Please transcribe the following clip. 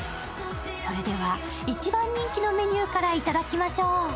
それでは一番人気のメニューから頂きましょう。